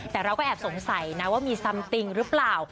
แต่เราก็แอบสงสัยนะว่ามีซัมติงหรือเปล่า